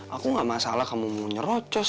aku gak masalah kamu mau nyerocos